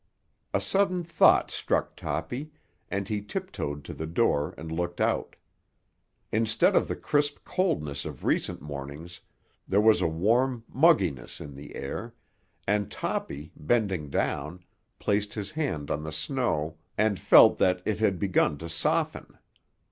A sudden thought struck Toppy, and he tiptoed to the door and looked out. Instead of the crisp coldness of recent mornings there was a warm mugginess in the air; and Toppy, bending down, placed his hand on the snow and felt that it had begun to soften.